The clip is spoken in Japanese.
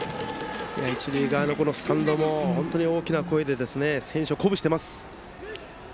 一塁側のスタンドも本当に大きな声で選手を鼓舞しています。